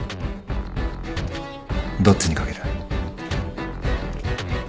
どっちに賭ける？